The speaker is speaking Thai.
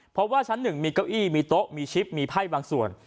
เพราะว่าชั้น๑มีเก้าอี้มีโต๊ะมีชิปมีไพ่บางส่วน